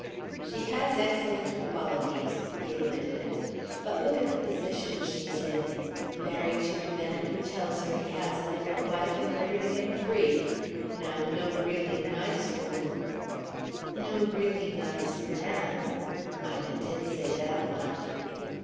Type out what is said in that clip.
"She has excellent qualities." He admitted it. "But look at the position she's in married to a man who tells her he has another wife in order to get free. Now, no really nice woman " "No really nice man " Ina did say that much.